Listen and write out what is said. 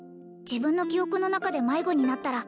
「自分の記憶の中で迷子になったら」